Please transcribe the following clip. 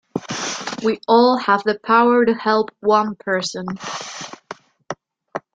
We all have the power to help one person.